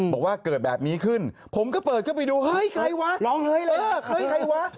บอกว่าเกิดแบบนี้ขึ้นผมก็เปิดเข้าไปดูเฮ้ยใครวะร้องเฮ้ยเลยเฮ้ยใครวะ